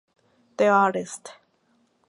The Artist.